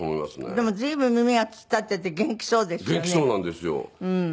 でも随分耳が突っ立っていて元気そうですよね。